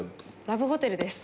ラブホテルです。